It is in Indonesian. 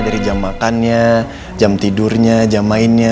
dari jam makannya jam tidurnya jam mainnya